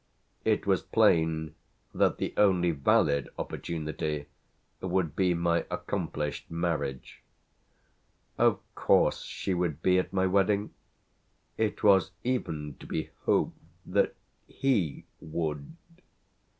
It was plain that the only valid opportunity would be my accomplished marriage. Of course she would be at my wedding? It was even to be hoped that he would.